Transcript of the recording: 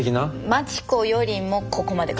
真知子よりもここまで。